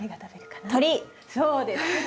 そうです。